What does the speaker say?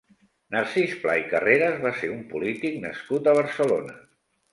Narcís Pla i Carreras va ser un polític nascut a Barcelona.